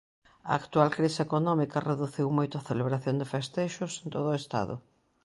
A actual crise económica reduciu moito a celebración de festexos en todo o Estado.